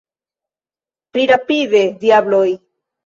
Pli rapide, diabloj!